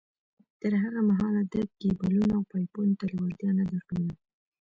تر هغه مهاله ده کېبلو او پایپونو ته لېوالتیا نه در لوده